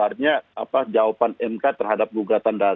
artinya jawaban mk terhadap gugatan